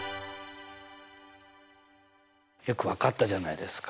よく分かったじゃないですか。